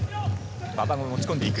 馬場が持ち込んでいく。